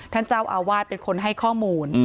ท่านเจ้าอาวาสเป็นคนให้ข้อมูล